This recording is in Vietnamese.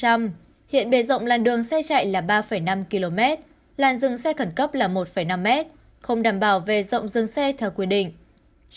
hiện bề rộng làn đường xe chạy là ba năm km làn dừng xe khẩn cấp là một năm m không đảm bảo về rộng dừng xe theo quy định